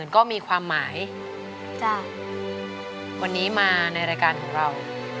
ก็มีความหมายจากวันนี้มาในรายการของเรา